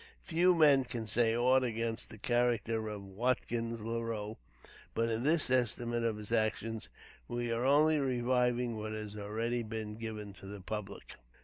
Few men can say aught against the character of Watkins Leroux, but in this estimate of his actions, we are only reviving what has already been given to the public.